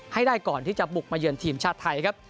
ให้ได้ก่อนที่จะบุกมาเยือนทีมชาติไทยครับ